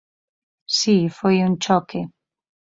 Si, foi un choque.